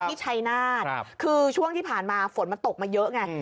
ชัยนาธคือช่วงที่ผ่านมาฝนมันตกมาเยอะไง